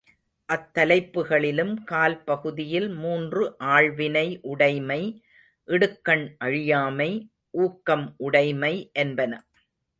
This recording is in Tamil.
அத் தலைப்புக்களிலும் கால் பகுதியில் மூன்று ஆள்வினை உடைமை, இடுக்கண் அழியாமை, ஊக்கம் உடைமை—என்பன.